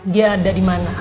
dia ada dimana